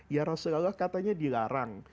ya rasulullah katanya dilarang